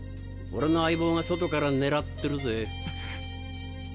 俺の相棒が外から狙ってるぜ。